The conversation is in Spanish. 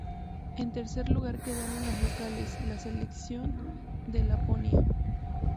En tercer lugar quedaron los locales; la selección de Laponia.